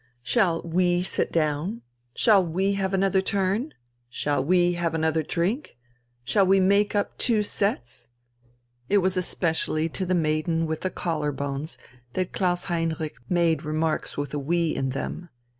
"Shall we sit down? shall we have another turn? shall we have a drink? shall we make up two sets?" It was especially to the maiden with the collar bones that Klaus Heinrich made remarks with a "We" in them.